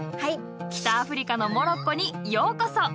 北アフリカのモロッコにようこそ！